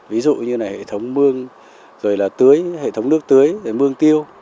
ví dụ như là hệ thống mương rồi là tưới hệ thống nước tưới mương tiêu